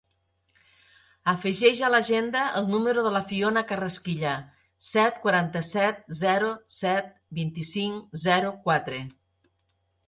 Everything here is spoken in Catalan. Afegeix a l'agenda el número de la Fiona Carrasquilla: set, quaranta-set, zero, set, vint-i-cinc, zero, quatre.